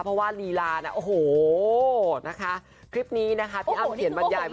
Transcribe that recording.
เพราะว่าลีลาโอ้โหคลิปนี้พี่อ้ำเขียนบรรยาย